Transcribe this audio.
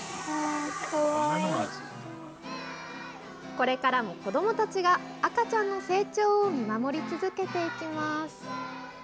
これからも子どもたちが赤ちゃんの成長を見守り続けていきます。